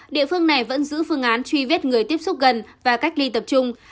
địa phương này vẫn giữ phương án truy vết người tiếp xúc gần và cách ly tập trung